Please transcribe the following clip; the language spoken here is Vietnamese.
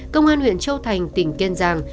công an huyện châu thành tỉnh kiên giang